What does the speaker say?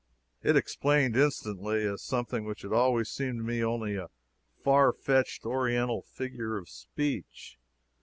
It explained instantly a something which had always seemed to me only a farfetched Oriental figure of speech.